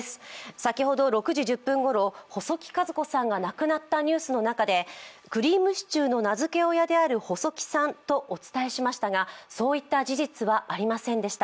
先ほど６時１０分ごろ細木数子さんが亡くなったニュースの中でくりぃむしちゅーの名付け親である細木さんとお伝えしましたが、そういった事実はありませんでした。